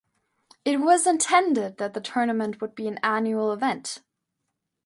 It was intended that the tournament would be an annual event.